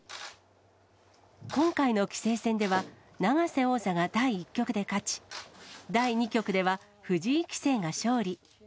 今回の棋聖戦では、永瀬王座が第１局で勝ち、第２局では藤井棋聖が勝利。